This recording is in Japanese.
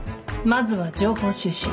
まずは情報収集。